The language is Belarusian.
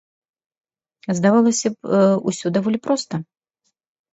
Здавалася б, усё даволі проста.